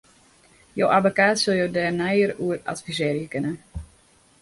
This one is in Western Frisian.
Jo abbekaat sil jo dêr neier oer advisearje kinne.